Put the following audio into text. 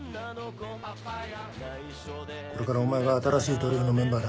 これからお前が新しいドリフのメンバーだ。